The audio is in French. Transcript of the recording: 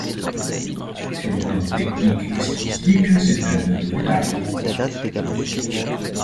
Sur le plan technique et stylistique, c'est un autodidacte.